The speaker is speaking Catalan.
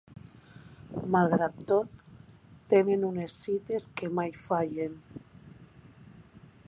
Malgrat tot, tenen unes cites que mai fallen.